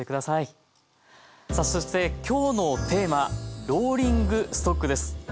さあそして今日のテーマローリングストックです。